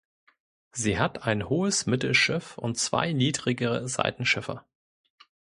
Sie hat ein hohes Mittelschiff und zwei niedrigere Seitenschiffe.